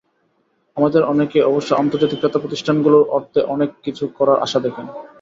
আমাদের অনেকে অবশ্য আন্তর্জাতিক ক্রেতাপ্রতিষ্ঠানগুলোর অর্থে অনেক কিছু করার আশা দেখেন।